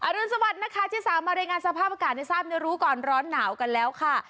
รุนสวัสดิ์นะคะที่สามมารายงานสภาพอากาศให้ทราบในรู้ก่อนร้อนหนาวกันแล้วค่ะ